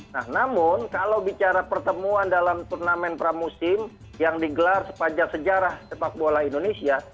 nah namun kalau bicara pertemuan dalam turnamen pramusim yang digelar sepanjang sejarah sepak bola indonesia